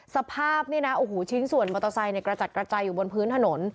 สภาพชิ้นส่วนมอเตอร์ไซน์กระจัดกระจายอยู่บนพื้นถนน